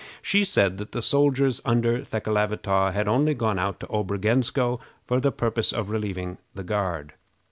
She said that the soldiers under Thekelavitaw had only gone out to Obrogensko for the purpose of relieving the guard.